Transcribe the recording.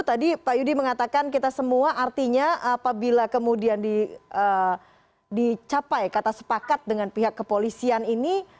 tadi pak yudi mengatakan kita semua artinya apabila kemudian dicapai kata sepakat dengan pihak kepolisian ini